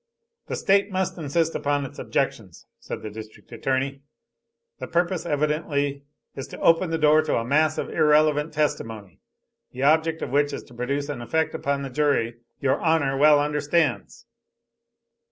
"The State must insist upon its objections," said the District Attorney. "The purpose evidently is to open the door to a mass of irrelevant testimony, the object of which is to produce an effect upon the jury your Honor well understands."